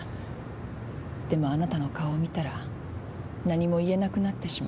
でもあなたの顔を見たら何も言えなくなってしまった。